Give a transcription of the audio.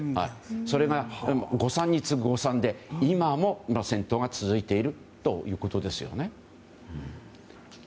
それが誤算に次ぐ誤算で今も戦闘が続いているということです。